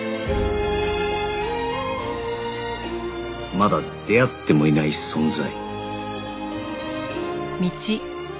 まだ出会ってもいない存在